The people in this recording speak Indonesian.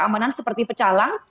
keamanan seperti pecalang